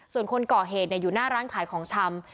ส่วนคนก่อเหตุอยู่หน้าร้านขายของชำ